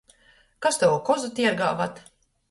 Kas tovu kozu tiergā vad?